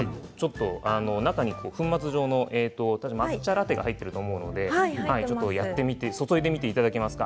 中に粉末状の抹茶ラテが入っているのでちょっとお湯を注いでみていただけますか？